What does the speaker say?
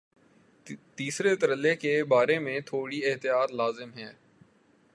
تیسرے ترلے کے بارے میں تھوڑی احتیاط لازم ہے۔